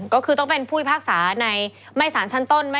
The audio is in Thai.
ก็คือต้องเป็นผู้พิพากษาในไม่สารชั้นต้น